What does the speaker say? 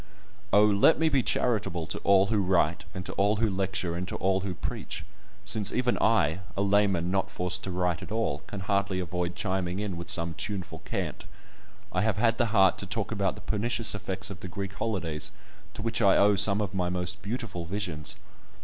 Oh! let me be charitable to all who write, and to all who lecture, and to all who preach, since even I, a layman not forced to write at all, can hardly avoid chiming in with some tuneful cant! I have had the heart to talk about the pernicious effects of the Greek holidays, to which I owe some of my most beautiful visions!